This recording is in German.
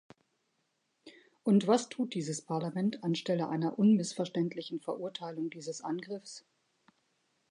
Und was tut dieses Parlament anstelle einer unmissverständlichen Verurteilung dieses Angriffs?